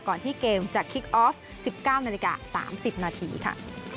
ที่เกมจะคิกออฟ๑๙นาฬิกา๓๐นาทีค่ะ